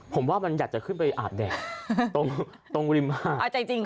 ผมว่ามันอยากจะขึ้นไปอาบแดงตรงริมมาก